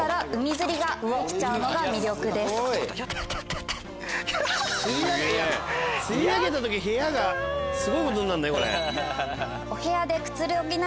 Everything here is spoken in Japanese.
釣り上げた時部屋がすごいことにならない？